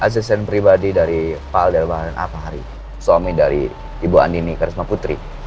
halo saya randy asisten pribadi dari pak alderbahar dan apahari suami dari ibu andini karisma putri